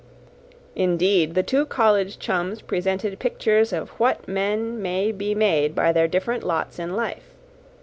Indeed, the two college chums presented pictures of what men may be made by their different lots in life.